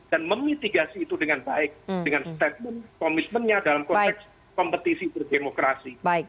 dan memitigasi itu dengan baik dengan komitmennya dalam konteks kompetisi berdemokrasi